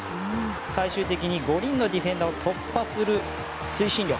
最終的に５人のディフェンダーを突破する推進力。